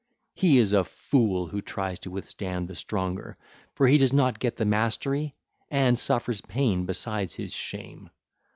He is a fool who tries to withstand the stronger, for he does not get the mastery and suffers pain besides his shame.